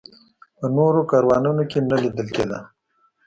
په نورو کاروانونو کې نه لیدل کېده.